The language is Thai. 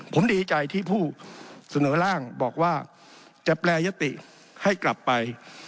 ผมดีใจที่ผู้เสนอร่างบอกว่าจะแปรยติให้กลับไป